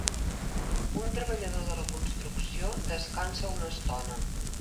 Un treballador de la construcció descansa una estona.